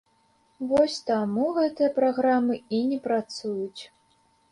Вось, таму гэтыя праграмы і не працуюць.